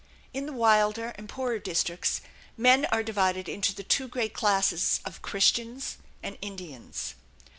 In the wilder and poorer districts men are divided into the two great classes of "Christians" and "Indians."